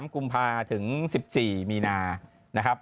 กุมภาถึง๑๔มีนานะครับ